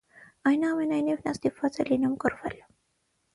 Այնուամենայնիվ նա ստիպված է լինում կռվել։